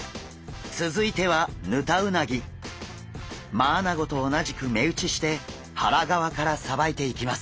マアナゴと同じく目打ちして腹側からさばいていきます。